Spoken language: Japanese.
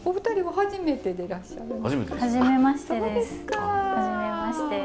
初めまして。